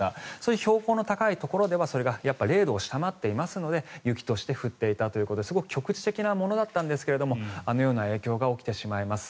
標高の高いところでは０度を下回っていますので雪として降っていたということですごく局地的なものだったんですがあのような影響が起きてしまいます。